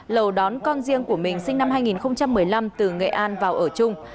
lầu đón con riêng của mình sinh năm hai nghìn một mươi năm từ nghệ an vào ở chung